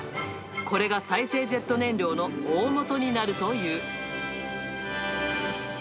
これが再生ジェット燃料の大元になるという。